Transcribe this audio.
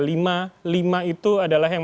lima lima itu adalah yang